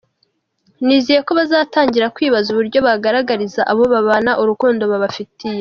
Nizeye ko bazatangira kwibaza uburyo bagaragariza abo babana urukundo babafitiye.